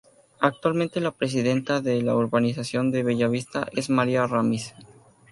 Actualmente, la presidenta de la Urbanización de Bellavista es María Ramis.